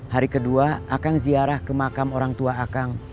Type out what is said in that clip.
hari kedua akang ziarah ke makam orang tua akang